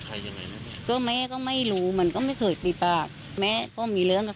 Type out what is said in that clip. ยังไงนะก็แม่ก็ไม่รู้มันก็ไม่เคยมีปากแม่ก็มีเรื่องกับ